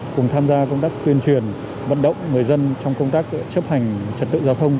cùng tham gia công tác tuyên truyền vận động người dân trong công tác chấp hành trật tự giao thông